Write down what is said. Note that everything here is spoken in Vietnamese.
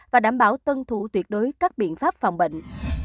và đảm bảo tuân thủ tuyệt đối các biện pháp phòng bệnh